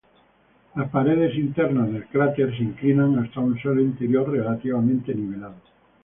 Las paredes internas del cráter se inclinan hasta un suelo interior relativamente nivelado.